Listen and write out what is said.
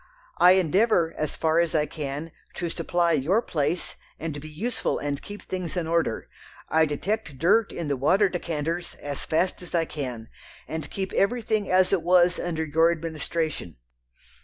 I endeavour, as far as I can, to supply your place, and be useful and keep things in order. I detect dirt in the water decanters, as fast as I can, and keep everything as it was under your administration....